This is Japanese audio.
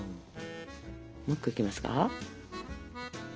もう１個いきますか。